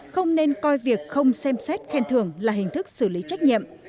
không nên coi việc không xem xét khen thường là hình thức xử lý trách nhiệm